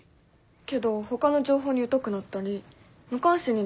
けどほかの情報に疎くなったり無関心になったりしない？